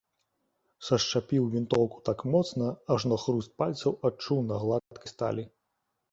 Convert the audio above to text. Сашчапіў вінтоўку так моцна, ажно хруст пальцаў адчуў на гладкай сталі.